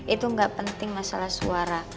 itu nggak penting masalah suara